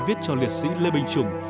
viết cho liệt sĩ lê binh chủng